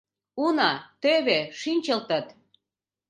Уна, тӧвӧ шинчылтыт.